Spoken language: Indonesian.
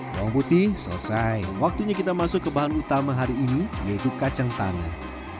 bawang putih selesai waktunya kita masuk ke bahan utama hari ini yaitu kacang tanah